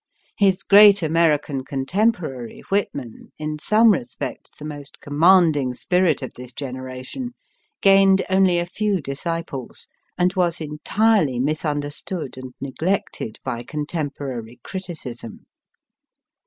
His great American con temporary, Whitman, in some respects the most command ing spirit of this generation, gained only a few disciples, and was entirely misunderstood and neglected by contemporary criticism.